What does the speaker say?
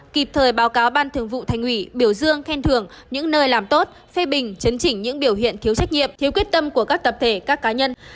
kịp thời báo cáo ban thường vụ thành ủy biểu dương khen thưởng những nơi làm tốt phê bình chấn chỉnh những biểu hiện thiếu trách nhiệm thiếu quyết tâm của các tập thể các cá nhân